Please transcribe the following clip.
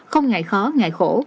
không ngại khó ngại khổ